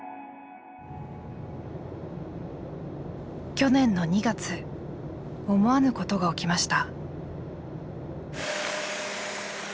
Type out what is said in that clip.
去年の２月思わぬことが起きました。